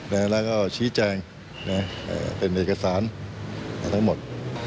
แล้วก็ชี้แจงเป็นเอกสารทั้งหมด